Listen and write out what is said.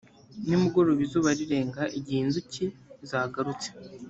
nimugoroba izuba rirenga igihe inzuki zagarutse